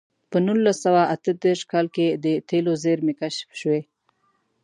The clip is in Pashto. په نولس سوه اته دېرش کال کې د تېلو زېرمې کشف شوې.